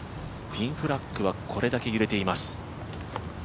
ピンフラッグはこれだけ揺れています。